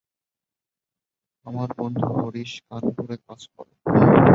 আমার বন্ধু হরিশ কানপুরে কাজ করে।